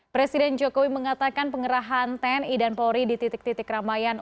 presiden jokowi mengatakan pengerahan tni dan polri di titik titik ramaian